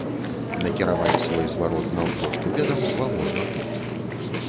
Накіраваць свой зварот наўпрост у ведамства можна тут.